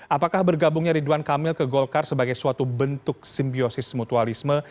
apakah bergabungnya ridwan kamil ke golkar sebagai suatu bentuk simbiosis mutualisme